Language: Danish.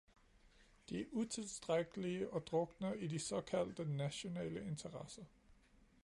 De er utilstrækkelige og drukner i de såkaldte nationale interesser.